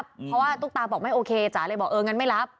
เพราะว่าตุ๊กตาบอกไม่โอเคจ๋าเลยบอกเอองั้นไม่รับ